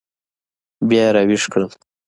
بیا یې راویښ کړل.